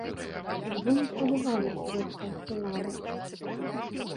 Ужо не хваляваліся, як у паўфінале.